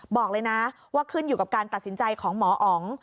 บอกเลยนะว่าขึ้นอยู่กับการตัดสินใจของหมออ๋อง